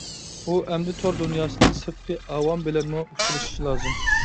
ئۇ ئەمدى تور دۇنياسىدىن سىرتقى ئاۋام بىلەنمۇ ئۇچرىشىشى لازىم.